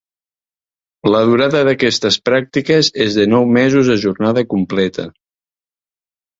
La durada d'aquestes pràctiques és de nou mesos a jornada completa.